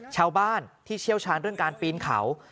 ชาวบ้านที่เชี่ยวชาญเรื่องการปีนเขา